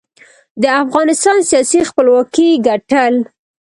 د افغانستان سیاسي خپلواکۍ ګټل.